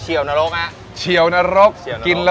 แค่นี้ยังเรียกว่ายังธรรมดาเหรอ